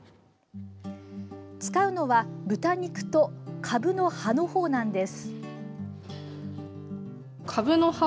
使うのは、豚肉とかぶの葉の方なんです。